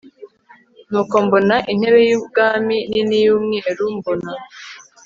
nuko mbona intebe y ubwami nini y umweru mbona